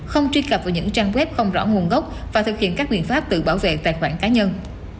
không truy cập vào những trang web không rõ nguồn gốc và thực hiện các biện pháp tự bảo vệ tài khoản cá nhân